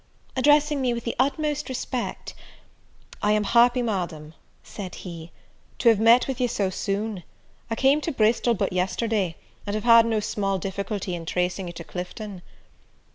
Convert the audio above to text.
Addressing me with the utmost respect, "I am happy, Madam," said he, "to have met with you so soon. I came to Bristol but yesterday, and have had no small difficulty in tracing you to Clifton."